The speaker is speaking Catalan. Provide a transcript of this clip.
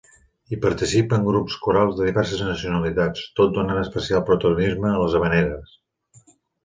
Hi participen grups corals de diverses nacionalitats, tot donant especial protagonisme a les havaneres.